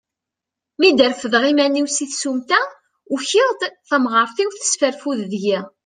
Mi d-refdeɣ iman-iw si tsumta, ukiɣ-d, tamɣart-iw tesfarfud deg-i.